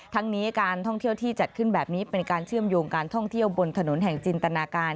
ทั้งนี้การท่องเที่ยวที่จัดขึ้นแบบนี้เป็นการเชื่อมโยงการท่องเที่ยวบนถนนแห่งจินตนาการ